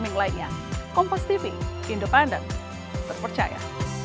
sampai jumpa di video selanjutnya